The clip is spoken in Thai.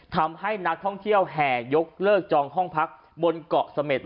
ทำให้นักท่องเที่ยวแห่ยกเลิกจองห้องพักบนเกาะเสม็ด